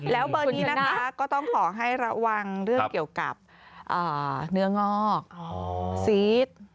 แล้วเบอร์นี้นะคะก็ต้องขอให้ระวังเรื่องเกี่ยวกับเนื้องอกซีส